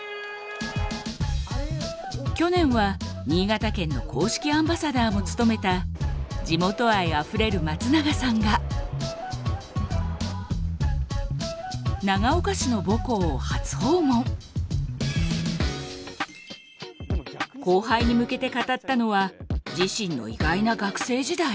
去年は新潟県の公式アンバサダーも務めた地元愛あふれる松永さんが後輩に向けて語ったのは自身の意外な学生時代！？